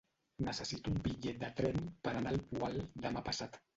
Necessito un bitllet de tren per anar al Poal demà passat.